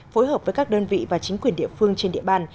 phối hợp với các đơn vị và chính quyền địa phương trên địa bàn